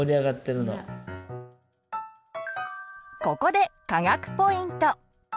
ここで科学ポイント！